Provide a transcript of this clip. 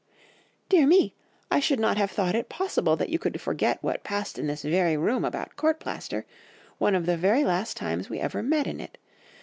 "'Dear me! I should not have thought it possible that you could forget what passed in this very room about court plaister, one of the very last times we ever met in it....